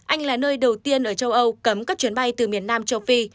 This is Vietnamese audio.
anh là nơi đầu tiên ở châu âu cấm các chuyến bay từ miền nam châu phi